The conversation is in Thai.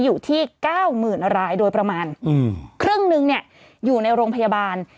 อยู่ที่เก้าหมื่นรายโดยประมาณครึ่งนึงเนี่ยอยู่ในโรงพยาบาล